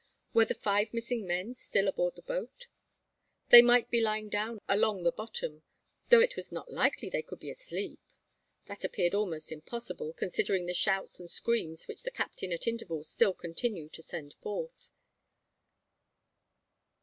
Were the five missing men still aboard the boat? They might be lying down along the bottom, though it was not likely they could be asleep? That appeared almost impossible, considering the shouts and screams which the captain at intervals still continued to send forth.